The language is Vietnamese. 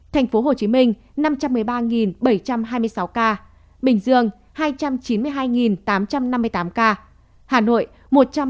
tp hcm năm trăm một mươi ba bảy trăm hai mươi sáu ca bình dương hai trăm chín mươi hai tám trăm năm mươi tám ca hà nội một trăm hai mươi tám bảy trăm chín mươi ca đồng nai chín mươi chín tám trăm tám mươi một ca tây ninh tám mươi tám sáu mươi tám ca